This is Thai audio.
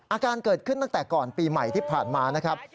อาการเกิดขึ้นตั้งแต่ก่อนปีใหม่ที่ผ่านมานะครับ